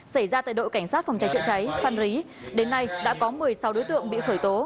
xảy ra tại đội cảnh sát phòng cháy chữa cháy phan rí đến nay đã có một mươi sáu đối tượng bị khởi tố